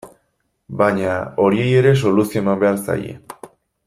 Baina horiei ere soluzioa eman behar zaie.